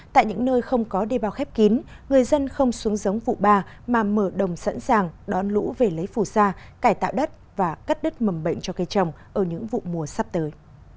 tại những nơi không có đề bao khép kín người dân không xuống giống vụ ba mà mở đồng sẵn sàng đón lũ về lấy phù sa cải tạo đất và cắt đất mầm bệnh cho cây trồng ở những vụ mùa sắp tới